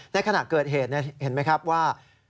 ขณะเกิดเหตุเห็นไหมครับว่า